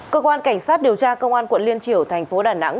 cơ quan cảnh sát điều tra công an quận liên triểu thành phố đà nẵng